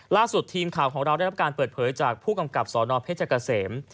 ล่าสุดทีมข่าวของเราได้รับการเปิดเผยจากผู้กำกับสนเพชรเกษม